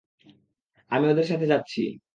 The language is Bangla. আমি ওদের সাথে যাচ্ছি।